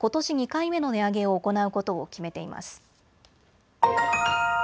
２回目の値上げを行うことを決めています。